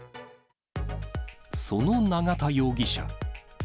その永田容疑者。